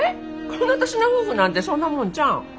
この年の夫婦なんてそんなもんちゃうん？